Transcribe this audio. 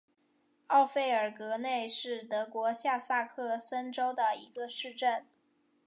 奥费尔格内是德国下萨克森州的一个市镇。